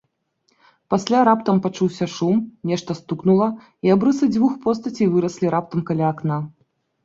Пасля раптам пачуўся шум, нешта стукнула, і абрысы дзвюх постацей выраслі раптам каля акна.